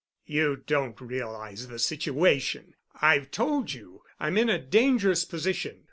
"You don't realize the situation. I've told you I'm in a dangerous position.